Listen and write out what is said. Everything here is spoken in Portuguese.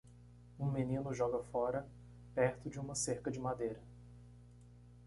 Um menino joga fora perto de uma cerca de madeira.